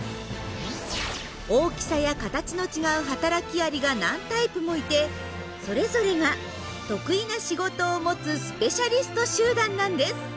大きさや形の違う働きアリが何タイプもいてそれぞれが得意な仕事を持つスペシャリスト集団なんです。